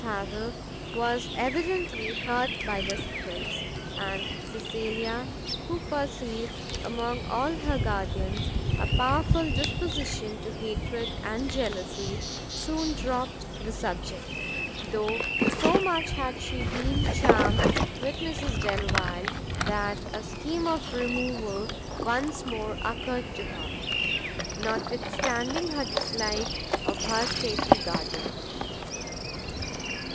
Mrs Harrel was evidently hurt by this praise, and Cecilia, who perceived among all her guardians a powerful disposition to hatred and jealousy, soon dropt the subject: though so much had she been charmed with Mrs Delvile, that a scheme of removal once more occurred to her, notwithstanding her dislike of her stately guardian.